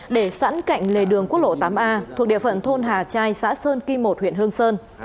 để sẵn cạnh lề đường quốc lộ tám a thuộc địa phận thôn hà trai xã sơn kim một huyện hương sơn